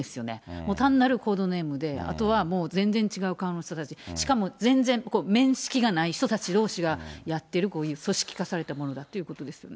もう単なるコードネームで、あとはもう、全然違う顔の人たち、しかも全然面識がない人たちどうしがやってる、組織化されたものだということですよね。